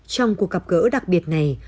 trong cuộc gặp gỡ đặc biệt này